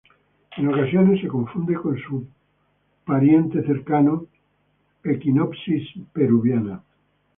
En ocasiones se confunde con su pariente cercano "Echinopsis peruviana".